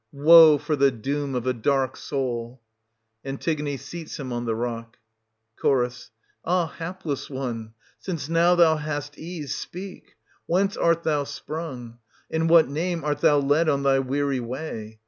Woe for the doom of a dark soul ! [Antigone seats him on the rock, Ch, Ah, hapless one, since now thou hast ease, speak, — whence art thou sprung.!^ In what name art thou led on thy weary way.